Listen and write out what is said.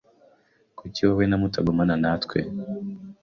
Kuki wowe na mutagumana natwe?